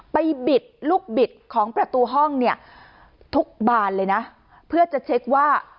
บิดลูกบิดของประตูห้องเนี่ยทุกบานเลยนะเพื่อจะเช็คว่า